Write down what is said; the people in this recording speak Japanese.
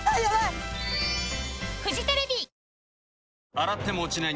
洗っても落ちない